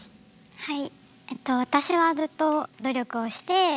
はい。